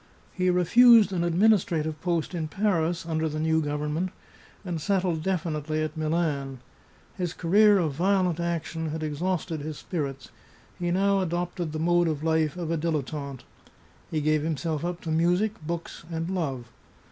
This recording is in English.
He refused an administrative post in Paris under the new government, and settled definitely at Milan. His career of violent action had exhausted his spirits; he now adopted the mode of life of a dilettante. He gave himself up to music, books, and love.